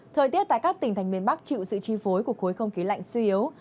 thời tiết tại các tỉnh thành miền bắc chịu sự chi phối của khối không khí lạnh suy yếu